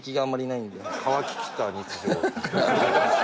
かわききった日常